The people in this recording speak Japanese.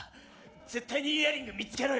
絶対にイヤリング見つけろよ。